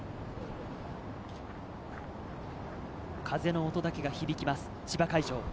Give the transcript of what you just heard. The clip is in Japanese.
風の音だけが響きます、千葉会場。